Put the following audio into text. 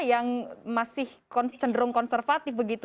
yang masih cenderung konservatif begitu